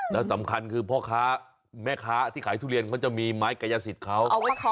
ใช่พ่อค้าแม่ค้าเขาจะประมาณได้ว่า